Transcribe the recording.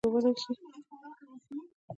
وجدان مو باید همېشه په ځان کښي وبلل سي.